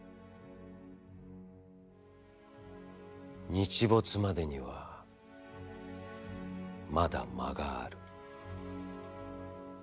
「日没までには、まだ間がある。